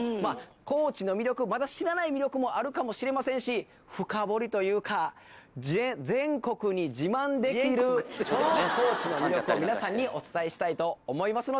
高知の魅力まだ知らない魅力もあるかもしれませんし深掘りというか全国に自慢できる高知の魅力を皆さんにお伝えしたいと思います